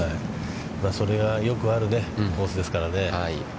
それがよくあるコースですからね。